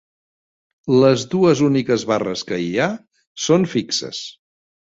Les dues úniques barres que hi ha són fixes.